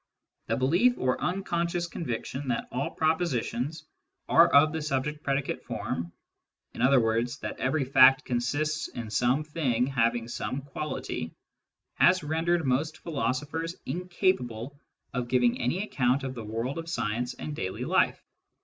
The belief or unconscious conviction that all proposi tions are of the subject predicate form — in other words, that every fact consists in some thing having some quality — has rendered most philosophers incapable of giving any account of the world of science and daily life.